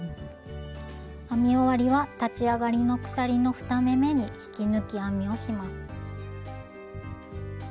編み終わりは立ち上がりの鎖の２目めに引き抜き編みをします。